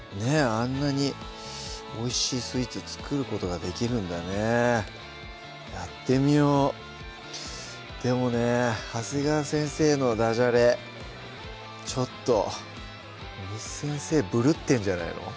あんなにおいしいスイーツ作ることができるんだねやってみようでもね長谷川先生のだじゃれちょっと簾先生ブルッてんじゃないの？